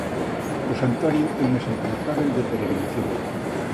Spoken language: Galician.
O santuario é un exemplo notábel de peregrinación.